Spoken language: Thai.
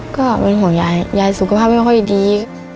ก็เป็นห่วงยายยายสุขภาพไม่ค่อยดี